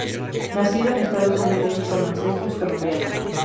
Nacido en Estados Unidos con ancestros colombianos.